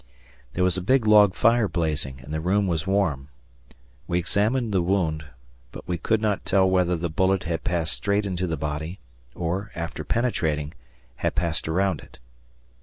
There was a big log fire blazing, and the room was warm. We examined the wound, but we could not tell whether the bullet had passed straight into the body, or, after penetrating, had passed around it.